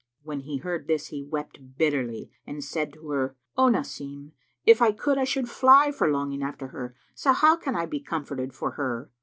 When he heard this, he wept bitterly and said to her, "O Nasim, if I could, I should fly for longing after her; so how can I be comforted for her?"